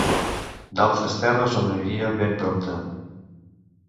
D’altres terres on aniria ben prompte.